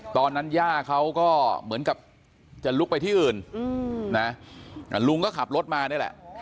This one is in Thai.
ย่าเขาก็เหมือนกับจะลุกไปที่อื่นนะลุงก็ขับรถมานี่แหละ